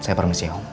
saya permisi ya om